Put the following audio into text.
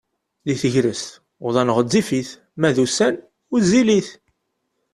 Deg tegrest uḍan ɣezzifit ma d ussan wezzilit.